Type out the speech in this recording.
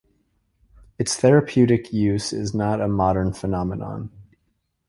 Its therapeutic use is not a modern phenomenon.